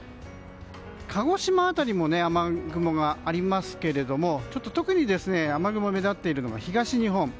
鹿児島辺りも雨雲がありますけれども特に雨雲が目立っているのが東日本。